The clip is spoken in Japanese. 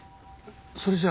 それじゃあ。